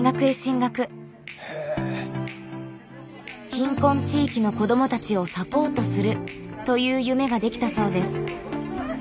貧困地域の子どもたちをサポートするという夢ができたそうです。